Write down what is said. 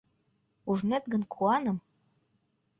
«Ужнет гын куаным...»